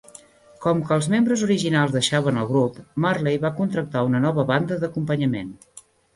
Com que els membres originals deixaven el grup, Marley va contractar una nova banda d'acompanyament.